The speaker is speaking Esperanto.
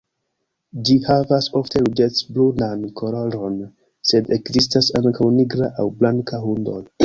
Ĝi havas ofte ruĝec-brunan koloron, sed ekzistas ankaŭ nigra aŭ blanka hundoj.